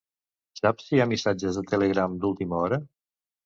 Saps si hi ha missatges de Telegram d'última hora?